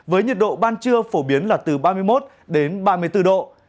với nhiệt độ ban trưa phổ biến là từ ba mươi một đến ba mươi bốn độ